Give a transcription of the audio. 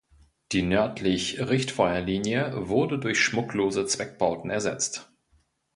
Die nördlich Richtfeuerlinie wurde durch schmucklose Zweckbauten ersetzt.